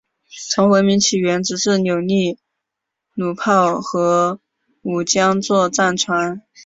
从文明起源直至扭力弩炮和五桨座战船。